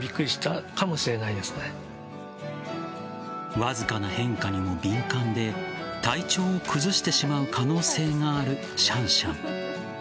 わずかな変化にも敏感で体調を崩してしまう可能性があるシャンシャン。